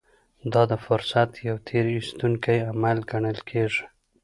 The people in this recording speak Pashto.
دا د فرصت يو تېر ايستونکی عمل ګڼل کېږي.